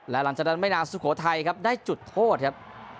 และหลังจากนั้นไม่นานสุโขทัยครับได้จุดโทษครับ